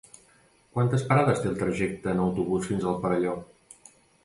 Quantes parades té el trajecte en autobús fins al Perelló?